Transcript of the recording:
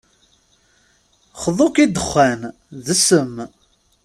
Xḍu-k i ddexxan, d ssem.